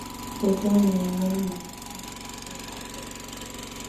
ukiwa ni miongoni mwa Mikoa thelathini na tatu ya sasa